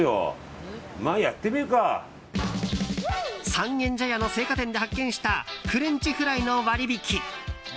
三軒茶屋の青果店で発見したフレンチフライの割引。